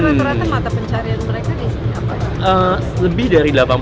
jadi rata rata mata pencarian mereka di sini apa ya